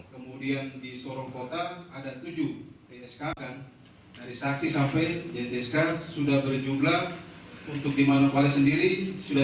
dari saksi sampai tsk sudah berjumlah untuk di manukwari sendiri sudah sepuluh